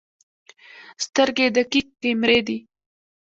سترګې دقیق کیمرې دي.